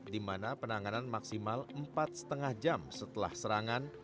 dimana penanganan maksimal empat lima jam setelah serangan